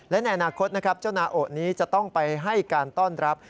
และในอนาคตนะครับเจ้านาโอนี้จะต้องไปให้การต้อนรับ